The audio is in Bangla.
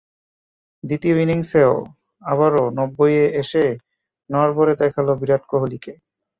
দ্বিতীয় ইনিংসেও আবারও নব্বইয়ে এসে নড়বড়ে দেখাল বিরাট কোহলিকে।